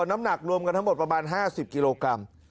น้ำหนักรวมกันทั้งหมดประมาณ๕๐กิโลกรัม